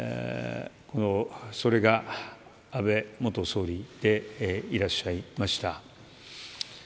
それが安倍元総理でいらっしゃいました。